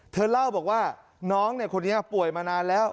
เธอเล่าบอกว่าน้องคนนี้ป่วยมานานแล้ว